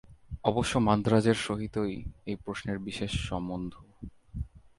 অবশ্য মান্দ্রাজের সহিতই এই প্রশ্নের বিশেষ সম্বন্ধ।